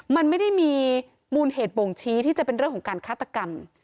มันไม่ได้มีมูลเหตุบ่งชี้ที่จะเป็นเรื่องของการฆาตกรรม